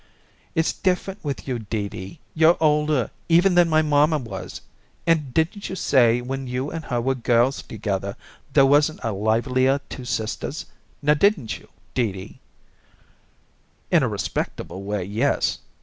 "It's different with you, Dee Dee. You're older even than my mamma was, and didn't you say when you and her was girls together there wasn't a livelier two sisters? Now didn't you, Dee Dee?" "In a respectable way, yes.